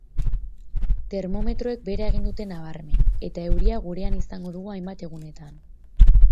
Termometroek behera egin dute nabarmen eta euria gurean izango dugu hainbat egunetan.